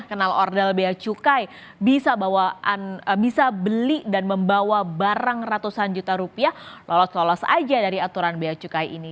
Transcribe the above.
kenal ordel bea cukai bisa beli dan membawa barang ratusan juta rupiah lolos lolos aja dari aturan biaya cukai ini